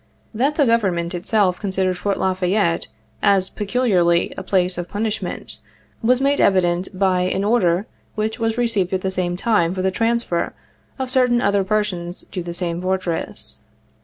That the Government itself considered Fort La Fayette as peculiarly a place of punishment, was made evident by an order which was received at the same time for the transfer of certain other persons to the same Fortress.